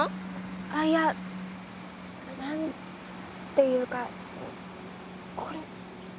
あっいや何ていうかこれ。